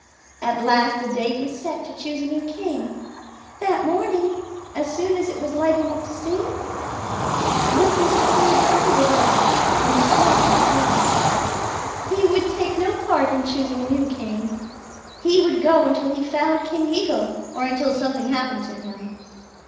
At last a day was set to choose a new king. That morning, as soon as it was light enough to see, little Mr. Hummer darted away, and his heart was heavy. He would take no part in choosing a new king. He would go until he found King Eagle or until something happened to him.